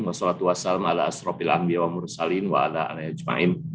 wassalatu wassalamu ala astrofilan biwa mursalin wa ala ala ajma'in